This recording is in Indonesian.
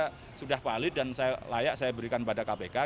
ini saya sudah valid dan layak saya berikan kepada kpk